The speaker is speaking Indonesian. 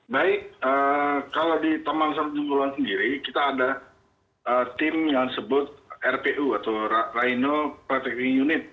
baik kalau di taman nasional ujung kulon sendiri kita ada tim yang disebut rpu atau rhino protecting unit